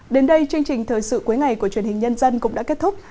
đến đây chương trình thời sự cuối ngày của truyền hình nhân dân cũng đã kết thúc